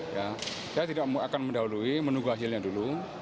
ya saya tidak akan mendahului menunggu hasilnya dulu